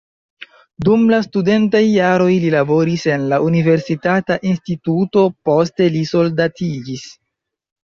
Dum la studentaj jaroj li laboris en la universitata instituto, poste li soldatiĝis.